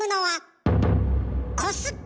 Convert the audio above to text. えコスパ？